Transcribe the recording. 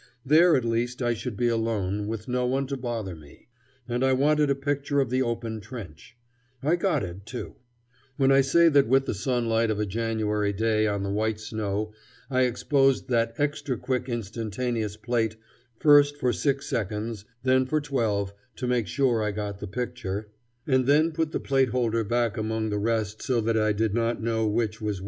There at least I should be alone, with no one to bother me. And I wanted a picture of the open trench. I got it, too. When I say that with the sunlight of a January day on the white snow I exposed that extra quick instantaneous plate first for six seconds, then for twelve, to make sure I got the picture, [Footnote: Men are ever prone to doubt what they cannot understand.